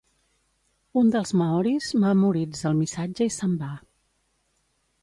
Un dels maoris memoritza el missatge i se'n va.